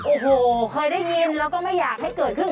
โอ้โหเคยได้ยินแล้วก็ไม่อยากให้เกิดขึ้นกับเราด้วย